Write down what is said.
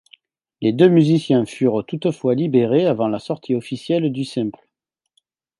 Les deux musiciens furent toutefois libérés avant la sortie officielle du simple.